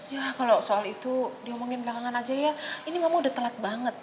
ya kalau soal itu diomongin belakangan aja ya ini memang udah telat banget